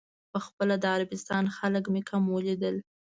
په خپله د عربستان خلک مې کم ولیدل.